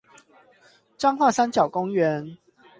彰化三角公園